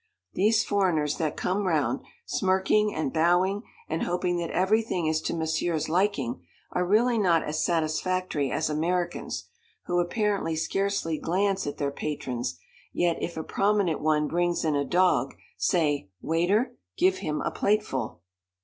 These foreigners that come round, smirking and bowing, and hoping that everything is to monsieur's liking, are really not as satisfactory as Americans, who apparently scarcely glance at their patrons, yet if a prominent one brings in a dog, say, "Waiter, give him a plateful."